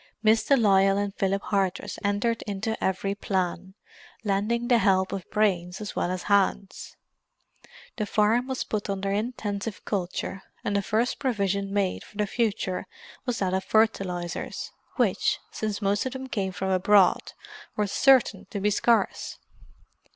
Miss de Lisle and Philip Hardress entered into every plan, lending the help of brains as well as hands. The farm was put under intensive culture, and the first provision made for the future was that of fertilizers, which, since most of them came from abroad, were certain to be scarce.